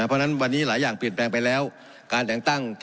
เพราะฉะนั้นวันนี้หลายอย่างเปลี่ยนแปลงไปแล้วการแต่งตั้ง